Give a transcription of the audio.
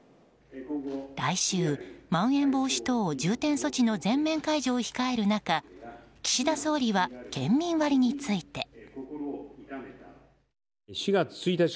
来週、まん延防止等重点措置の全面解除を控える中岸田総理は県民割について。